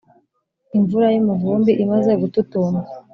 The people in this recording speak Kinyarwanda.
Imvura y'umuvumbi imaze gututumba